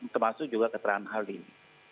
termasuk juga keterangan hal ini